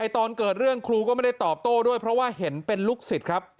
ตอนเกิดเรื่องครูก็ไม่ได้ตอบโต้ด้วยเพราะว่าเห็นเป็นลูกศิษย์ครับ